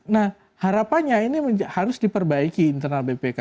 nah harapannya ini harus diperbaiki internal bpk